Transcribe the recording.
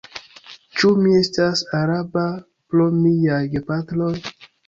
Ĉu mi estas araba pro miaj gepatroj?